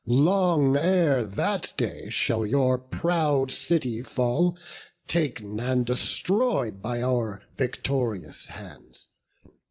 Long ere that day shall your proud city fall, Tak'n and destroy'd by our victorious hands.